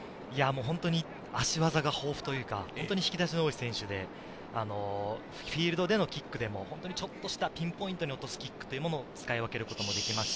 本当に足技が豊富というか、引き出しの多い選手で、フィールドでのキックでも、ちょっとしたピンポイントに落とすキックというものを使い分けることができます。